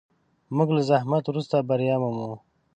موږ له زحمت وروسته بریا مومو.